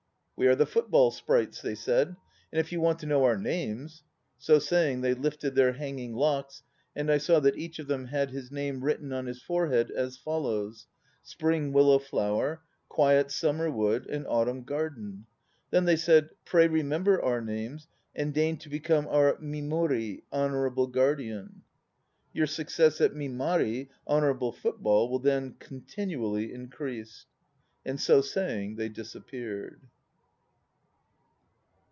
"We are the Football Sprites," they said. "And if you want to know our names So saying they lifted their hanging locks, and I saw that each of them had his name written on his forehead, as follows: Spring Willow Flower, Quiet Summer Wood, and Autumn Garden. Then they said, "Pray remember our names and deign to become our A/i raori, 'Honourable Guardian.' Your success at Mi man, 'Honourable Football,' will then continually increase." And so saying they disappeared.